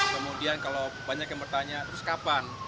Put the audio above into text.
kemudian kalau banyak yang bertanya terus kapan